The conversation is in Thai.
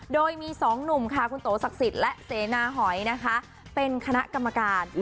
โดยมีสองหนุ่มค่ะคุณโตศักดิ์สิทธิ์และเสนาหอยนะคะเป็นคณะกรรมการ